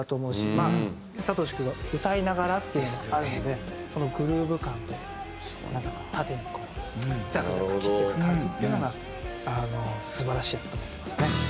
まあ聡君は歌いながらっていうのもあるのでそのグルーヴ感となんか縦にこうザクザク切っていく感じっていうのが素晴らしいと思ってますね。